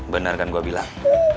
benar kan gue bilang